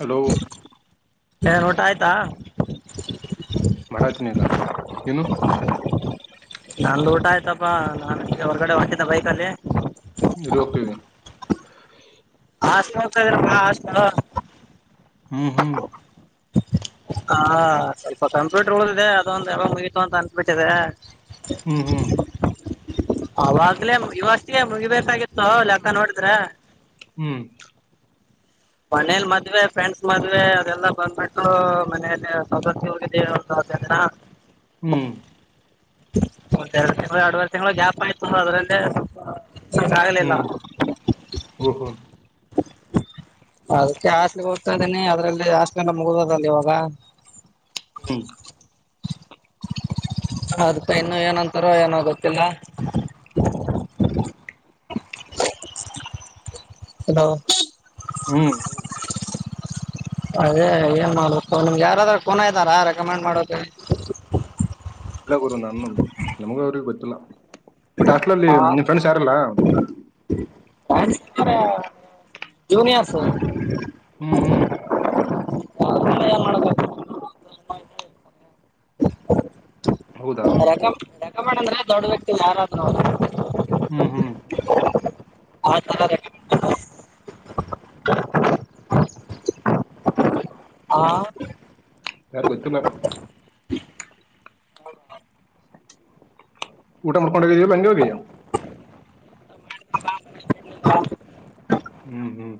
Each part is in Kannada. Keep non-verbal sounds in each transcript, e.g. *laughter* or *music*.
ಹಲೋ ಸರ್ ಊಟ ಆಯ್ತಾ ಮಾಡಕ್ಕತ್ತೀನಿ ಈಗ ನೀನು ನಂದು ಊಟ ಆಯ್ತಪ್ಪಾ ನಾನು ಹೀಗೆ ಹೊರಗಡೆ ಹೋಗ್ತಿದ್ದೆ ಬೈಕಲ್ಲಿ ಎಲ್ಲಿ ಹೋಗ್ತಿದ್ದೆ ಹಾಸ್ಟೆಲ್ಗೆ ಹೋಗ್ತಾ ಇದ್ದೀನಿ ಅಣ್ಣ ಹಾಸ್ಟೆಲು ಹ್ಮ್ ಹ್ಮ್ ಹಾ ಸ್ವಲ್ಪ ಕಂಪ್ಯೂಟರ್ ಉಳದಿದೆ ಅದೊಂದು ಯಾವ ಮುಗತು ಅಂತ ಅನ್ಬಿಟ್ಟಿದೆ ಹ್ಮ್ ಹ್ಮ್ ಅವಾಗ್ಲೇ ಇವತ್ತಿಗೆ ಮುಗಿಬೇಕಾಗಿತ್ತು ಲೆಕ್ಕ ನೋಡಿದ್ರೆ ಹ್ಮ್ ಮನೇಲಿ ಮದ್ವೆ ಫ್ರೆಂಡ್ಸ್ ಮದ್ವೆ ಅದೆಲ್ಲಾ ಬಂದ್ಬಿಟ್ಟು ಮನೇಲಿ ಸದಸ್ಯವ *inaudible* ಸರಿನಾ ಹ್ಮ್ ಒತ್ತ ಎರಡು ತಿಂಳ ಎರಡುವರೆ ತಿಂಗಳು ಗ್ಯಾಪ್ ಆಯ್ತು ಅದ್ರಲ್ಲೇ ಸ್ವಲ್ಪ ಸಗಾಗಲಲ್ಲ ಹ್ಮ್ *inaudible* ಓಹೋ ಅದಕ್ಕೆ ಹಾಸ್ಟೆಲ್ ಗೆ ಓದ್ತಾ ಇದ್ದೇನಿ ಅದ್ರಲ್ಲಿ ಹಾಸ್ಲೆಲ್ಲ ಮುಗುದದಲ್ಲಿ ಇವಾಗ ಹ್ಮ ಅದ್ಕೈನ್ನು ಏನಂತಾರ ಏನೋ ಗೊತ್ತಿಲ್ಲ ಹ್ಮ್ ಹಲೋ ಹ್ಮ್ ಅದೇ ಏನ್ ಮಾಡ್ಬೇಕು ಯಾರಾದ್ರ ಫೋನ ಇದ್ದಾರಾ ರೆಕಮೆಂಡ್ ಮಾಡಕ್ಕೆ ಇಲ್ಲ ಗುರು ನನ್ ನಮಗೂ ಅವ್ರು ಗೊತ್ತಿಲ್ಲ ಬಟ್ ಹಾಸ್ಟೆಲ್ಲ್ಲಿ ನಿಮ್ ಫ್ರೆಂಡ್ಸ್ ಯಾರಿಲ್ಲ ಹ *inaudible* ಹ್ಮ್ ಹ್ಮ್ ಹ್ಮ್ ನಾ ತುಂಬ ಏನ್ ಮಾಡಬೇಕ *inaudible* ಹೌದಾ ರೆಕಮ ಹ್ಮ್ ರೆಕಮಂಡ್ ಅಂದ್ರೆ ದೊಡ್ಡ ವ್ಯಕ್ತಿ ಯಾರಾದ್ರೂ ಹ್ಮ್ ಹ್ಮ್ ಆತರ ರೆಕಮೆಂಡ್ *inaudible* ಹಾ ಯಾರು ಗೊತ್ತಿಲ್ಲಪ್ಪ ಊಟ ಮಾಡ್ಕೊಂಡೊಗಿದ್ದೀಯಾ ಇಲ್ಲ ಹಂಗೆ ಹೋಗಿಯೊ ಊಟ ಮಾಡ್ಕೋ ಬಾ ಅಂದ್ರೆ ತಿಂದಿಲ್ಲ *inaudible* ಹ್ಮ್ ಹ್ಮ್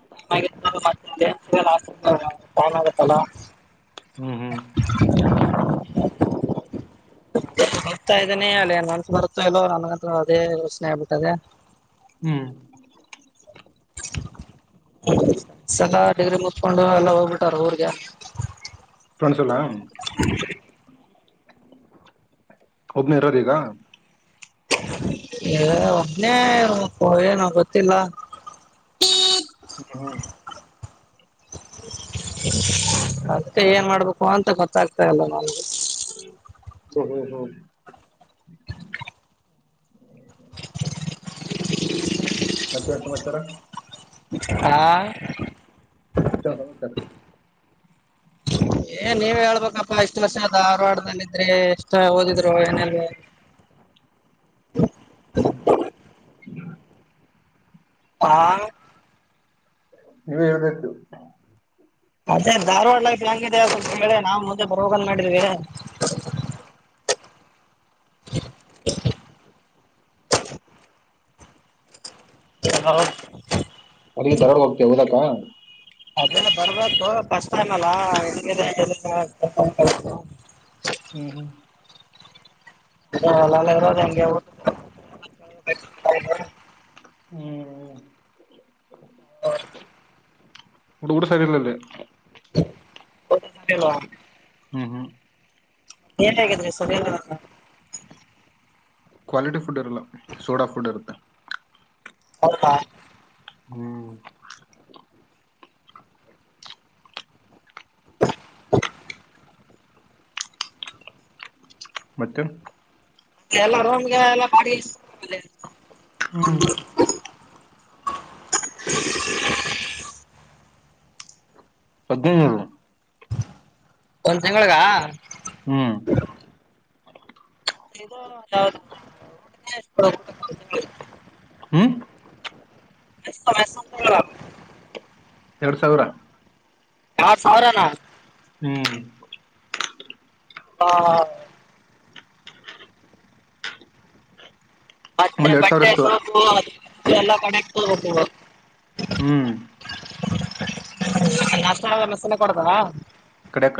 *inaudible* ಹ್ಮ್ ಹ್ಮ್ ಹೋಗ್ತಾ ಇದ್ದನಿ ಅಲ್ಲಿ ಮನ್ಸ್ ಬರುತ್ತೋ ಇಲ್ಲೋ ನನ್ಗಂತು ಅದೇ ಯೋಚನೆ ಆಗ್ಬಿಟ್ಟದೆ ಹ್ಮ್ ಸಲ ಡಿಗ್ರಿ ಮುತ್ಕೊಂಡು ಎಲ್ಲ ಹೋಗ್ಬಿಟ್ ಅವ್ರೆ ಊರಿಗೆ ಕಣ್ಸಲ್ಲ ಒಬ್ಬನೇ ಇರೋದ ಈಗ ಎ ಒಬ್ನೆ ಏನು ಗೊತ್ತಿಲ್ವ ಹ್ಮ್ ಹ್ಮ್ ಮತ್ತೆ ಏನ್ ಮಾಡ್ಬೇಕು ಅಂತ ಗೊತ್ ಗೊತ್ತಾಗ್ತಾ ಇಲ್ಲ ನನಗೆ ಓಹೋ ಮತ್ತೇನ್ ಸಮಾಚಾರ ಹಾ - ತರರ *unintelligible* ಏ ನೀವ ಹೇಳ್ಬೇಕಪ್ಪಾ ಇಷ್ಟು ವರ್ಷ ಧಾರವಾಡ್ದಲ್ಲಿದ್ರಿ ಹದುಿದರ ಅನಲ್ ಭ *unintelligible* ಹ್ಮ *inaudible* ಆ ನೀವೇ ಹೇಳಳ್ದಾಯತು *unintelligible* ಅದೇ ಧಾರವಾಡ ಲೈಫ್ ಹೆಂಗಿದೆ ಅ ಹೇಳೆ ನಾವು ಮುಂದೆ ಬರ್ ಮಾಡಿದ್ವಿ *unintelligible* *inaudible* *inaudible* *inaudible* ಅಲ್ಲಿಗೆ ಧಾರವಾಡ ಹೋಗ್ತೀವಿ ಓದಕ್ಕ ಅದಲ್ಲ ಬರ್ಬೇಕು *unintelligible* ಬಸ್ ನ್ ಅಲ್ಲ ಹ್ಮ್ ಹ್ಮ ಹರ ಹೆಗೆ *inaudible* ಹ್ಮ್ ಹ್ಮ್ ಹುಡುಗ್ರು ಸರಿಇಲ್ಲಾ ಇಲ್ಲಿ ಅಲ್ವಾ *inaudible* ಹ್ಮ್ ಹ್ಮ್ ಏನ್ ಹಗಿದ್ರಿ ಸರ್ ಕ್ವಾಲಿಟಿ ಫುಡ್ ಇರಲ್ಲ ಸೋಡಾ ಫುಡ್ ಇರುತ್ತೆ ಹೌದಾ ಹ್ಮ್ *inaudible* ಮತ್ತೆ ಎಲ್ಲೋಮ್ಗೆ ಎಲ್ಲಾ *unintelligible* ಹ್ಮ್ *inaudible* ಅದೇ *unintelligible* ಒಂದ್ ತಿಂಗಳಗ ಹ್ಮ್ ಇದು ಯಾವ್ದು ಊಟಕ್ಕೆ ಎಷ್ಟು ಊಟಕ್ಕೆ ಒಂದ್ ತಿಂಗ್ಳಿಗೆ? ಹ್ಮ್ ಸಮಯಸಂತ ಎರಡ್ ಸಾವಿರ ಹ ಸಾವರಾನ ಹ್ಮ್ ಹಾ ಮತ್ತೆ ಅಲ್ಲಿ ಎರಡ್ ಸಾವಿರ ಬಟ್ಟೆ ಇತ್ತು ಸೊಪು ಅದ ಎಲ್ಲ ಕನೆಕ್ಟ್ ಹ ಹ್ಮ್ ನಾಷ್ಟ ಮೆಸನೆ ಕೊಡತಾವ ಕಡಕ್ಕ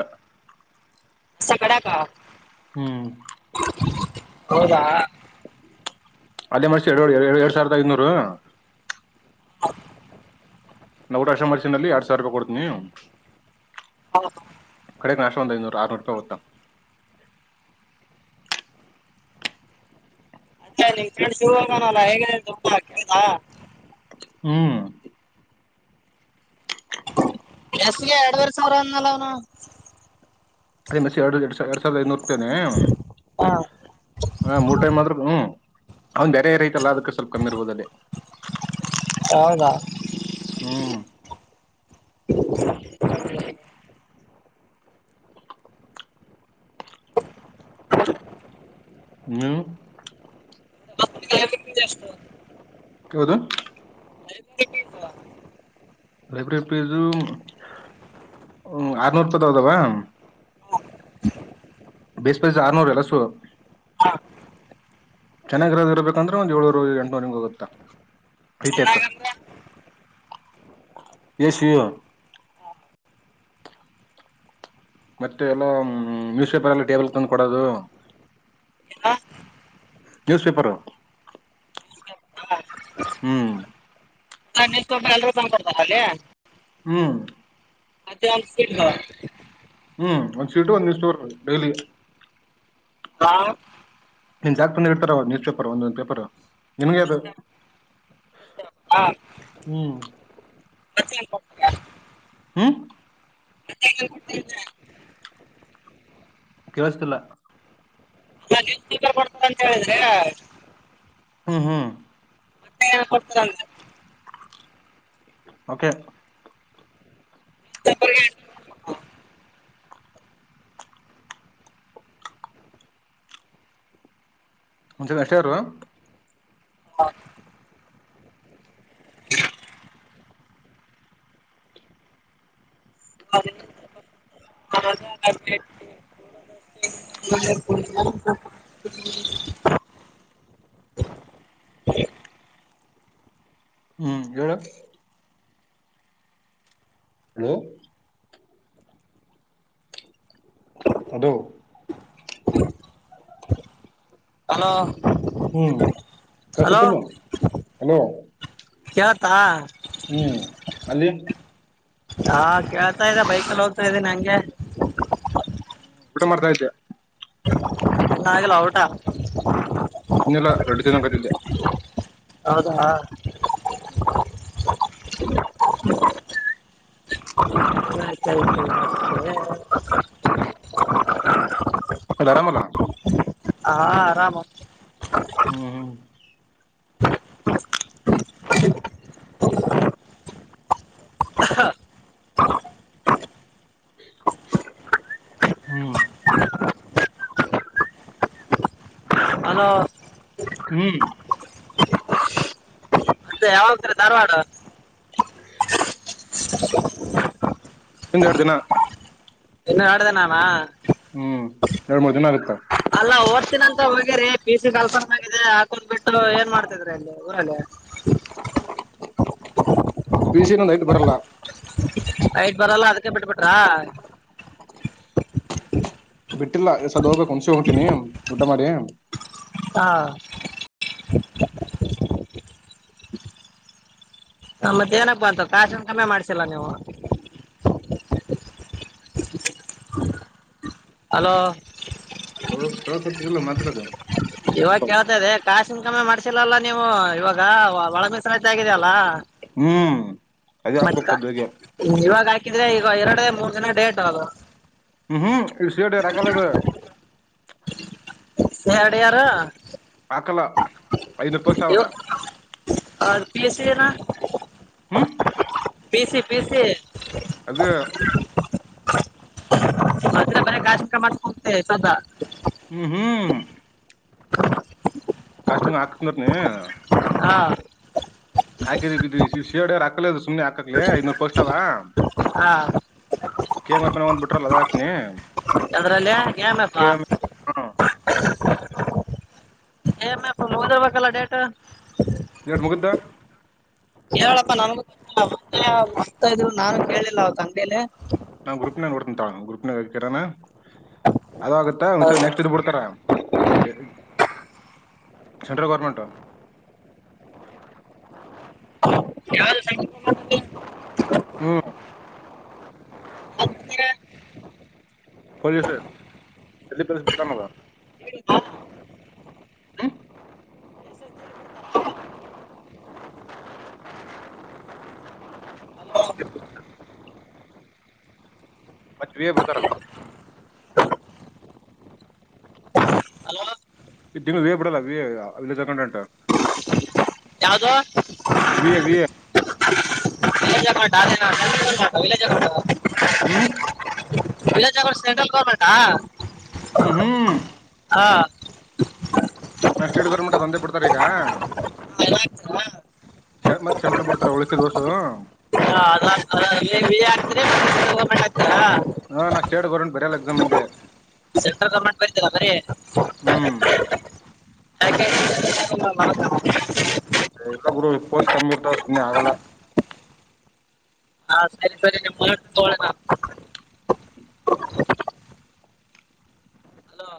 ಸಗಡ ಕ ಹ್ಮ್ ಹೌದಾ ಅದೇ ಮನಷ ಎರಡು ಎರಡ್ ಸಾವಿರದ ಐನೂರು ಹ ನಾರಾಷ ಮರ್ಸಿನಲ್ಲಿ ಎರಡ್ ಸಾವಿರ ರೂಪಾಯಿ ಕೊಡ್ತೀನಿ ಹೌ ಕಡೆ ಕ ನಾಶ ಒಂದ ಇನೂರು ಆರ್ನೂರು ರೂಪಾಯಿ ಹೊತ್ತ ಅ ನೀ್ ಕಿ ಶುರುಗಾನಲ್ಲ ಹೇಗ ತುಂಬಾ ಕೇೇಳಸಾ ಹ್ಮ್ ಎಸ್ಗೆ ಎರಡುವರೆ ಸಾವಿರ ಅಂದಲ್ಲ ಅವನು ದು ಮ ಎರಡು ಎಡು ಎರಡ್ಾವಿರ ಐೂರು ಹಾ ಹ ಮೂ ಟೈಮ್ ಮಾತ್ರ ಹ್ಮ ಅವನ್ ಬೇರೆ ರೈತಲ್ಲ ಅದಕ್ಕೆ ಸ್ವಲ್ಪ ಕಮ್ಮಿ ಇರ್ಬೋದಲ್ಲೇ ಹೌದಾ ಹ್ಮ್ ನೀ ಷ್ಟ ಯದು ನ ಲೈಬ್ರೇರಿ ಪೇಜು ಹ್ಮ ಆರ್ನೂರು ರಪತ್ೌದಾವ ಬಸ್ ಬೈಸ ಆರನೂರು ಎಲ್ಲ ಸು ಹಾ ಚೆನ್ನಾಗಿರೋದ ಇರಬೇಕಂದ್ರೆ ಒಂದ್ ಏಳೂರು ಎಂಟನೂರು ನಿಂಗ ಹೋಗುತ್ತಾ ಹೈ ಚನ್ನಾಗಂದ ಎಷ್ಟ ಮತ್ತೆ ಎಲ್ಲ ನ್ಯೂಸ್ ಪೇಪರ್ ಎಲ್ಲ ಟೇಬಲ್ ತಂದು ಕೊಡೋದು ನ್ಯೂಸ್ ಪೇಪರು ಹ್ಮ್ *unintelligible* ಎಲ್ರೂ ತಂದ್ಕೊಡ್ತಾರ ಅಲ್ಲಿ ಹ್ಮ್ ಅದನ್ಸ ಹ್ಮ್ ಒಂದ್ ಸೀಟ ಒಂದ್ ದ ಡೈಲಿ ಹಾ ನೀನ್ ಜಾಕ್ ಬಂದಿ ಇರ್ತಾರ ನ್ಯೂಸ್ ಪೇಪರ್ ಒಂದೊಂದ್ ಪೇಪರ್ ನಿಮಗೆ ಅ್ದು ಹಾ ಹ್ಮ್ ಮತ್ತೆ ಏನ್ ಕೊಡ್ತಾರೆ ಹ್ಮ್ ಮತ್ತೆ ಏನ್ ಕೊಡ್ತಾರೆ ಕವಸ್ತಲ್ಲ ಡ್ತಂತ ಹೇಳಿದ್ರೆ ಹ್ಮ್ ಹ್ಮ್ *unintelligible* ಓಕೆ *unintelligible* *unintelligible* *unintelligible* ಹ್ಮ್ ಹೇಳು ಹಲೋ ಅದು ಹಲೋ ಹ್ಮ್ ಕಸಕುಲ್ಲೊ ಹಲೋ ಕೇಳ್ತಾ ಹ್ಮ್ ಅಲ್ಲಿ ಹಾ ಕೇಳ್ತಾ ಇದೆ ಬೈಕಲ್ ಹೋಗ್ತಾ ಇದ್ದೀನ್ ಹಂಗೆ ಹ್ಮ್ ಊಟ ಮಾಡ್ತಾ ಇದ್ದೆ ಇನ್ನ ಆಗಿಲ್ಲ ಊಟ ಇನ್ನು ಇಲ್ಲ ರೊಟ್ಟಿ ತಿನ್ನೋಕ್ ಬಂದಿದ್ದೆ ಹೌದಾ *inaudible* *unintelligible* ಅಲ್ಲ್ ಅರಾಮಲ್ಲ ಹಾ ಆರಾಮು ಹ್ಮ್ ಹ್ಮ್ ಹಲೋ ಹ್ಮ್ ಮತ್ತೆ ಯಾವಾಗತ್ರಿ ಧಾರ್ವಾಡ *inaudible* ಇಂದೆರ್ಡ್ ದಿನ ಇನ್ನ ಎರ್ಡ್ ದಿನನಾ ಹ್ಮ್ ಎರಡ್ ಮೂರ್ ದಿನ ಆಗುತ್ತಾ ಅಲ್ಲಾ ಓದ್ತೀನಂತ ಹೋಗ್ಯರಿ ಪಿ ಯು ಸಿ ಕಲ್ಫಾರ್ಮ್ ಆಗಿದೆ *unintelligible* ಬಿಟ್ಟು ಏನ್ ಮಾಡ್ತಿದ್ರಿ ಅಲ್ಲಿ ಊರಲ್ಲಿ ವಿಜಿಂಗ್ ನೈಟ್ ಬರಲ್ಲ ನೈಟ್ ಬರಲ್ಲ ಅದಕ್ಕೆ ಬಿಟ್ಬಿಟ್ರಾ ಬಿಟ್ಟಿಲ್ಲ ಇನ್ನೊಂದ್ ಸದ್ ಹೋಬೇಕ್ ಹುನ್ಸಿಗ್ ಹೊಂಟಿನಿ ಊಟ ಮಾಡಿ ಹಾ ನ ಮತ್ತೇನಪ್ಪ ಅಂತ ಕಾಶ್ ಇನ್ಕಮ್ಮೆ ಮಾಡ್ಸಿಲ್ಲ ನೀವು ಹಲೋ ಹೇಳಳ ಮಾತಡ ಇವಾಗ ಕೇಳ್ತದೆ ಕಾಸಿನ ಕಮ್ಮಿ ಮಾಡ್ಸಿಲ್ಲಲ್ಲ ನೀವು ಇವಾಗ *unintelligible* ಹ್ಮ್ ಅದೇ ಮಜಕ ಹಾಕ್ಬೇಕು ಸದ್ಯಗೆ ಇವಾಗ ಹಾಕಿದ್ರೆ ಈಗ ಎರಡು ಮೂರ್ ದಿನ ಡೇಟ್ ಅದು ಹ್ಮ್ ಹ್ಮ್ *unintelligible* ಯಡಿಯರು ಅಕಲ ನೀವ ಪಿ ಎಸ್ ಸಿ ಏನ ಹ್ಮ ಪೀಸಿ ಪೀಸಿ ಅದು ಮದೆ ಮೇ ಗಾಾಸ ಕ್ರಮಾತ್ ಹೋಗತೇ ಸದಾ ಹ್ಮ್ ಹ್ಮ್ ಕಾಷ್ಟ ಹಾಕ್ನರ್ ನೀ ಹಾ ಹಾಕಿದೀ ಶೇಡ್ಯ ಹಾಕ್ಲಿ ಅ ಸುಮ್ನೆ ಹಾಕಕ್ಲಿ ಐ್ನೂರು ಪೋಸ್್ವ ಹಾ ಕೇಮಪನ ಒಂದ್ ಬಿಟ್ರಲ್ಲ ಅದಾಕ್ನಿ ಅದ್ರಲ್ಲಿ ಮಪ್ಪ ಕೆ ಎಂ ಎಫ್ ಹೋದಿರ್ಬೇಕಲ್ಲ ಡೇಟ್ ದಿನಾಂಕ ಮುಗ್ದ ಕೇಳಪ್ಪಾ ನನ್ಗೂ ಮತ ಇದು ನಾನು ಕೇಳಿಲ್ಲ ಅವ ತಂಗೇಲಿ ನಾ ಗ್ರೂಪ್ ನ ನೋಡ್ತಂತಾ ಗ್ರೂಪ್ನ ಹೇಕರಾನ ಅದ ಆಾಗುತ್ತತ್ತ ಒಂದ್ಸ ನೆಕ್ಸ್ಟ್ ಡ್ ಬಿಡ್ತಾರೆ ಸೆಂಟ್ರಲ್ ಗೌರ್ಮೆಂಟ ಹಾ *inaudible* ಹ್ಮ್ ಮಾಡಿದ್ರಿ? ಪೊಲೀಸ್ ಎಲ್ಲಿ ಪಸಪಡ್ತ ಮದ ಹ ಮಚ್ ಬಿಯ ಬಿಡ್ತಾರಲ್ಲ ಹಲೋ ದಂಗ ವಿ ಏ ಬಿಡಲ್ಲ ವೇ ವಿಲ್ಲ ಜಗೊಂಡಟ ಯಾವುದು ವಿಏ ವಲೆಜ ಕಡಾ ವಲೆ ಜ ಕ *unintelligible* ಹ್ಮ್ ವಿಲಾಜ್ನಗರ್ ಸೆಂಟ್ರಲ್ ಗೌರ್ಮೆಂಟ ಹ್ಮ್ ಹ್ಮ್ ಹ ನಾ ಸ್ಟೇಟ್ ಗೌರ್ಮೆಂಟ್ ತಂದೆ ಬಿಡ್ತಾರ ಈಗ ಎಲ್ಲ ಹಾಕ್ತೀರಾ ಸ ಮತ್ತೆ ಸೆಂಟರ್ ಬಿಡ್ತಾರ ಉಳಕ ದೋಸ ವಿಏ ಹಾ ನಾ ಸ್ಟೇಟ್ ಗರ್ಮೆಟ್ ಬರಿಯಲಾ ಎಕ್ಸಾಮ್ ಅಂದೆ ಸೆಂಟ್ರಲ್ ಗೌರ್ಮೆಂಟ್ ಬರೀತೀಯಲಾ ಬರಿ ಹ್ಮ್ ನತ ಎಲ್ಲ ಗುರು ಪೋಷ ಕಮ್ಮಿ ಇರ್ತಾವ್ ಸುಮ್ಮನೆ ಆಗಲ್ಲ ಹಾ ಸರಿ ಸರಿ ನಿಮ್ ಮಾಡ ತಳಣ ಹಲೋ